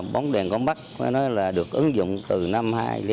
bóng đèn compact được ứng dụng từ năm hai nghìn sáu